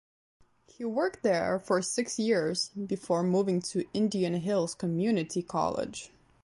He worked there for six years before moving to Indian Hills Community College.